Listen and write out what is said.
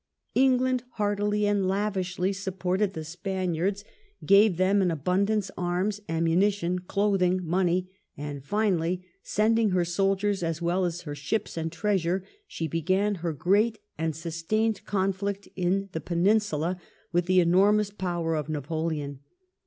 England heartily and lavishly supported the Spaniards, gave them in abundance arms, ammunition, clothing, money, and finally, sending her soldiers as well as her ships and treasure, she began her great and sustained conflict in the Peninsula with the enormous power of Napoleon.